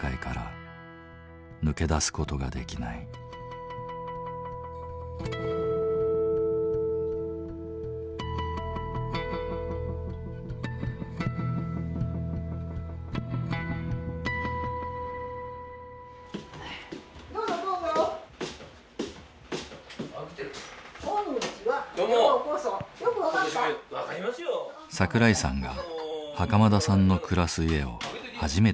桜井さんが袴田さんの暮らす家を初めて訪ねてきた。